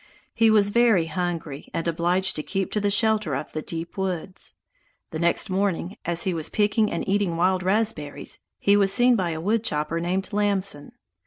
He was very hungry and was obliged to keep to the shelter of the deep woods. The next morning, as he was picking and eating wild raspberries, he was seen by a wood chopper named Lamson.